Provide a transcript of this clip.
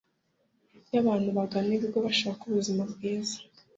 yabantu bagana ibigo bashaka ubuzima bwiza